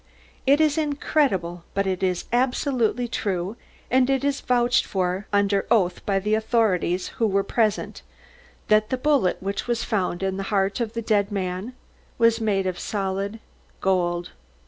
It is incredible, but it is absolutely true, as it is vouched for under oath by the authorities who were present, that the bullet which was found in the heart of the dead man was made of solid gold.